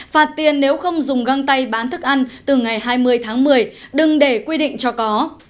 phạt tiền nếu không dùng găng tay bán thức ăn từ ngày hai mươi tháng một mươi đừng để quy định cho có